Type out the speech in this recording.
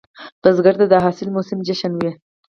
بزګر ته د حاصل موسم جشن وي